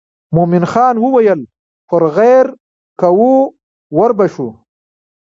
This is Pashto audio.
مومن خان وویل پر غیر کوو ور به شو.